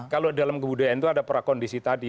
kalau dalam kebudayaan itu ada prakondisi tadi